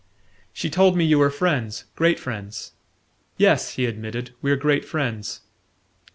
"She told me you were friends great friends" "Yes," he admitted, "we're great friends."